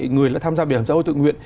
người đã tham gia bảo hiểm xã hội tự nguyện